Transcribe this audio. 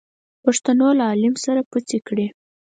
پښتنو له عليم سره پڅې کړې.